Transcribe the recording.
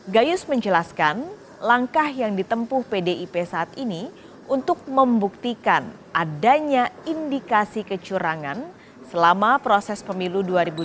gayus menjelaskan langkah yang ditempuh pdip saat ini untuk membuktikan adanya indikasi kecurangan selama proses pemilu dua ribu dua puluh